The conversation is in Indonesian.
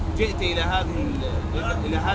untuk menikmati kota yang berkualitas